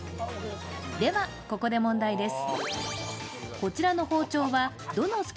では、ここで問題です。